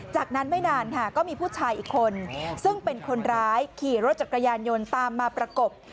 จากนั้นไม่นานค่ะก็มีผู้ชายอีกคนซึ่งเป็นคนร้ายขี่รถจักรยานยนต์ตามมาประกบ